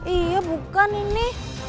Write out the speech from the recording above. iya bukan ini